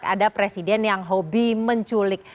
ada presiden yang hobi menculik